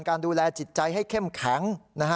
การดูแลจิตใจให้เข้มแข็ง